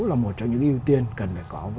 là một trong những ưu tiên cần phải có